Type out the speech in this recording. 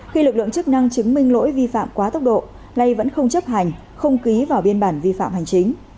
khi lực lượng chức năng chứng minh lỗi vi phạm quá tốc độ nay vẫn không chấp hành không ký vào biên bản vi phạm hành chính